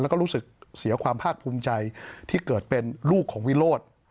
แล้วก็รู้สึกเสียความภาคภูมิใจที่เกิดเป็นลูกของวิโรธ